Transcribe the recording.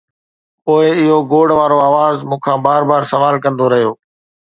پوءِ اهو گوڙ وارو آواز مون کان بار بار سوال ڪندو رهيو